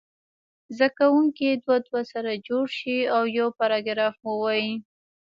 زده کوونکي دوه دوه سره جوړ شي او یو پاراګراف ووایي.